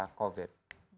laku dalam masa covid